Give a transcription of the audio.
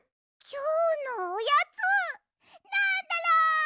きょうのおやつなんだろ？